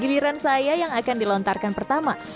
giliran saya yang akan dilontarkan pertama